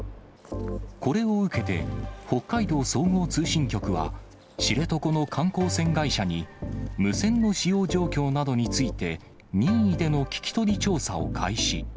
これを受けて、北海道総合通信局は、知床の観光船会社に、無線の使用状況などについて、任意での聞き取り調査を開始。